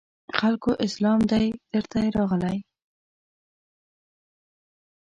خلکو اسلام دی درته راغلی